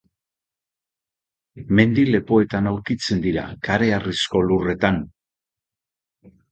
Mendi-lepoetan aurkitzen dira kareharrizko lurretan.